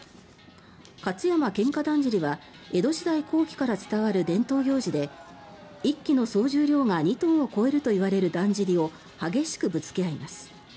勝山喧嘩だんじりは江戸時代後期から伝わる伝統行事で１基の総重量が２トンを超えるというだんじりを激しくぶつけ合います。